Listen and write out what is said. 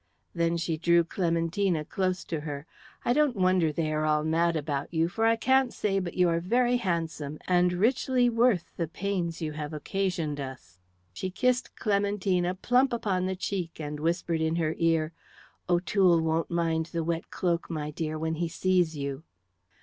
Then she drew Clementina close to her. "I don't wonder they are all mad about you, for I can't but say you are very handsome and richly worth the pains you have occasioned us." She kissed Clementina plump upon the cheek and whispered in her ear, "O'Toole won't mind the wet cloak, my dear, when he sees you."